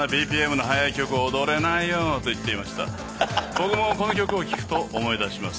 僕もこの曲を聴くと思い出します。